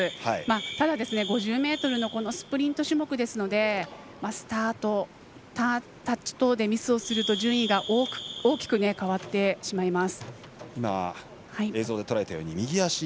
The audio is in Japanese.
ただ５０ｍのスプリント種目ですのでスタート、タッチ等でミスをすると順位が大きく変わってしまいます。